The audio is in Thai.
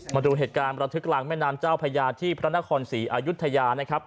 มาดูเหตุการณ์ประทึกกลางแม่น้ำเจ้าพญาที่พระนครศรีอายุทยานะครับ